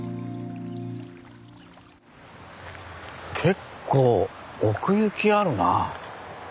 結構奥行きあるなあ。